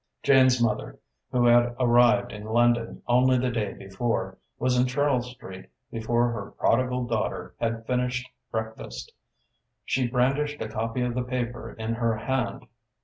Jane's mother, who had arrived in London only the day before, was in Charles Street before her prodigal daughter had finished breakfast. She brandished a copy of the paper in her hand.